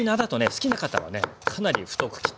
好きな方はねかなり太く切ってね